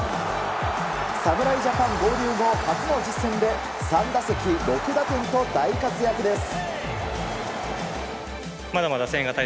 侍ジャパン合流後初の実戦で３打席６打点と大活躍です。